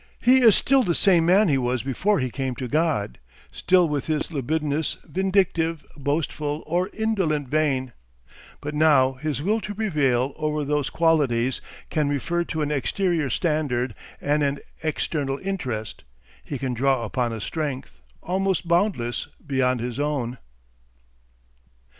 He is still the same man he was before he came to God, still with his libidinous, vindictive, boastful, or indolent vein; but now his will to prevail over those qualities can refer to an exterior standard and an external interest, he can draw upon a strength, almost boundless, beyond his own.